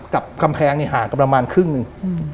ลำแพงมีห่างประมาณครึ่งนึง